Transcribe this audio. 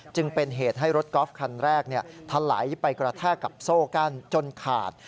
จึงเป็นเหตุให้รถกอล์ฟคันแรกทะไหลไปกระแทกกับโซ่กั้นจนขาด